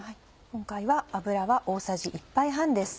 今回は油は大さじ１杯半です。